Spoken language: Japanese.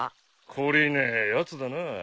懲りねえやつだな。